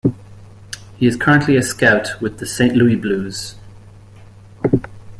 He is currently a scout with the Saint Louis Blues.